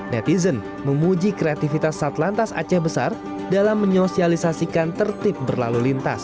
netizen memuji kreativitas satlantas aceh besar dalam menyosialisasikan tertib berlalu lintas